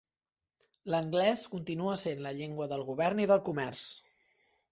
L'anglès continua sent la llengua del govern i del comerç.